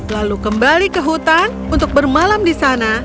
lalu kembali ke hutan untuk bermalam di sana